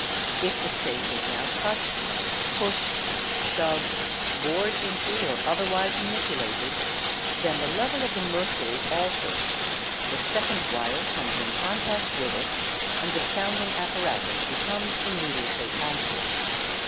If the safe is now touched, pushed, shoved. bored into, or otherwise manipulated, then the level of the mercury alters. the second wire comes in contact with it, and the sounding apparatu becomes immediately active.